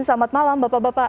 selamat malam bapak bapak